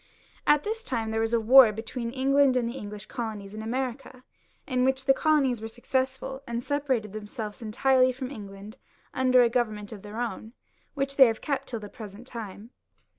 At this time there was a war between England and the English colonies in America, in which the colonies were successful, and separated theinselves entirely &om England under a government of their own, which they XLVii.] LOUIS XVI. 377 have kept till the present time.